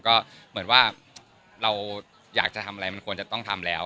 ก็เหมือนว่าเราอยากจะทำอะไรมันควรจะต้องทำแล้ว